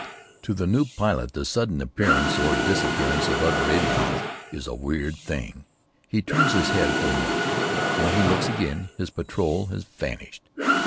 To the new pilot the sudden appearance or disappearance of other avions is a weird thing. He turns his head for a moment. When he looks again, his patrol has vanished.